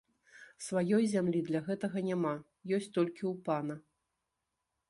Сваёй зямлі для гэтага няма, ёсць толькі ў пана.